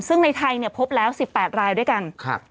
ซึ่งในไทยเนี่ยพบแล้ว๑๘รายด้วยกัน